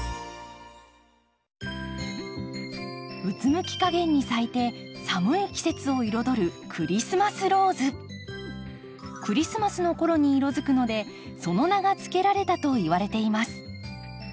うつむきかげんに咲いて寒い季節を彩るクリスマスの頃に色づくのでその名が付けられたといわれています。